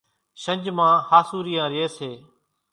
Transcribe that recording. شنجھ مان ۿاسُوريان ريئيَ سي۔